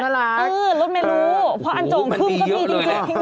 รถเมล์รู้พออันโจ่งคลึ้มก็มีเลย